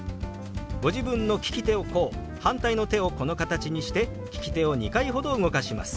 ご自分の利き手をこう反対の手をこの形にして利き手を２回ほど動かします。